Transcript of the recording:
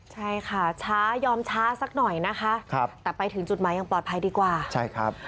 ใช่ค่ะช้ายอมช้าสักหน่อยนะคะครับแต่ไปถึงจุดหมายยังปลอดภัยดีกว่าใช่ครับ